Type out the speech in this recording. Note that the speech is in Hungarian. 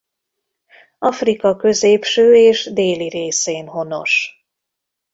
Afrika középső és déli részén honos.